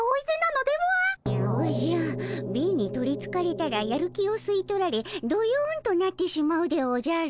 おじゃ貧に取りつかれたらやる気を吸い取られどよんとなってしまうでおじゃる。